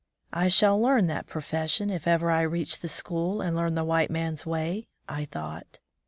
"I shall learn that profession if ever I reach the school and learn the white man's way," I thought.